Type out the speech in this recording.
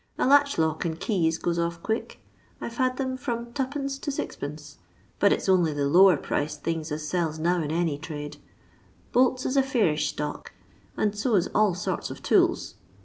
A latch lock and keys goes off quick. I 've had them from 2d, to Qd, ; but it 's only the lower priced things as sells now in any trade. Bolts is a fairish stock, and so is all sorts of tools.